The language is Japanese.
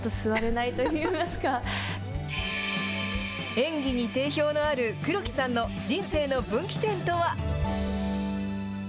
演技に定評のある黒木さんの人生の分岐点とは？